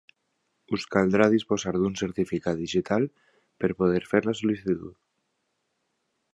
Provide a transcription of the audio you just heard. Us caldrà disposar d'un certificat digital per poder fer la sol·licitud.